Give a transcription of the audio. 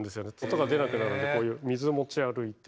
音が出なくなるんでこういう水持ち歩いて。